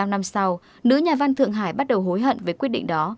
sáu mươi năm năm sau nữ nhà văn thượng hải bắt đầu hối hận với quyết định đó